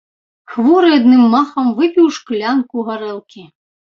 Хворы адным махам выпіў шклянку гарэлкі.